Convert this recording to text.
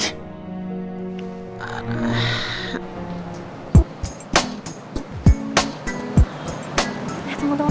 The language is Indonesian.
tunggu tunggu tunggu